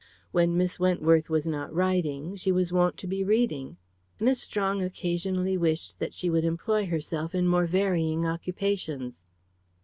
When Miss Wentworth was not writing she was wont to be reading. Miss Strong occasionally wished that she would employ herself in more varying occupations.